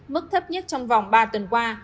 mức thấp nhất trong vòng ba tuần qua